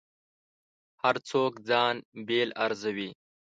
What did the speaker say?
هر څوک ځان بېل ارزوي.